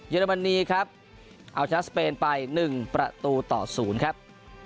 อรมนีครับเอาชนะสเปนไป๑ประตูต่อ๐ครับ